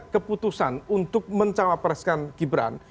keputusan untuk mencapai presiden gibran